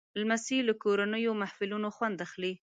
لمسی له کورنیو محفلونو خوند اخلي.